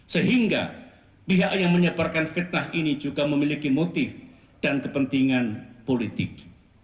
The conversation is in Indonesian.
sehingga pihak yang menyebarkan fitnah ini juga memiliki motif dan kepentingan politik